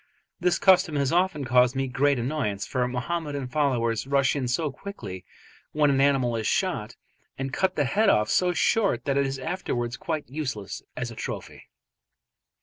This custom has often caused me great annoyance, for Mohammedan followers rush in so quickly when an animal is shot and cut the head off so short that it is afterwards quite useless as a trophy.